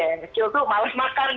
yang kecil tuh males makan